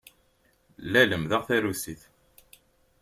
La lemmdeɣ tarusit.